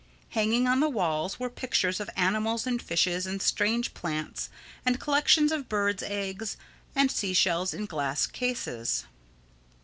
Hanging on the walls were pictures of animals and fishes and strange plants and collections of birds' eggs and sea shells in glass cases.